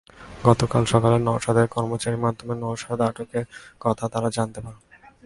গতকাল সকালে নওশাদের কর্মচারীর মাধ্যমে নওশাদের আটকের কথা তাঁরা জানতে পারেন।